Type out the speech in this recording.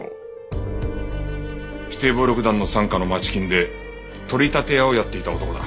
指定暴力団の傘下の街金で取り立て屋をやっていた男だ。